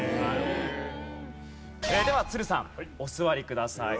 では都留さんお座りください。